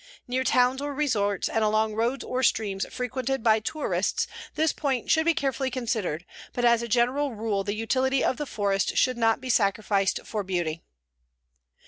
Near towns or resorts and along roads or streams frequented by tourists this point should be carefully considered, but as a general rule the utility of the forest should not be sacrificed for beauty.